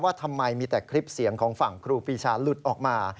ว่าทำไมมีแต่คลิปเสียงของฝั่งครูปีชาหลุดออกมา